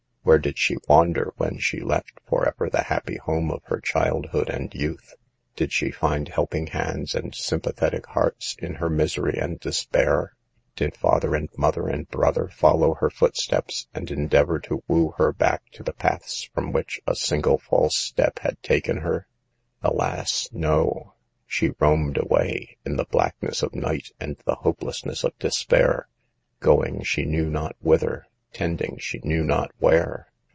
Where did she wander when she left, forever, the happy home of her childhood and youth ? Did she find helping hands and sympathetic hearts in her misery and despair ? Did father and mother and brother follow her footsteps, and endeavor to woo her back to the paths from which a single false step had taken her ? Alas, no ! She roamed away, in the blackness of night and the hopelessness of despair, going she knew not whither, tending she knew not where.